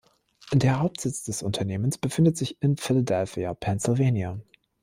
Der Hauptsitz des Unternehmens befindet sich in Philadelphia, Pennsylvania.